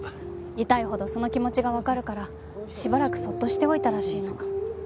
痛いほどその気持ちがわかるからしばらくそっとしておいたらしいの。